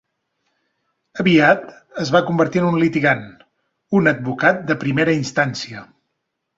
Aviat, es va convertir en un litigant, un advocat de primera instància.